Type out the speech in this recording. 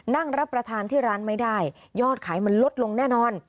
นั่งรับประทานที่ร้านไม่ได้ยอดขายมันลดลงแน่นอน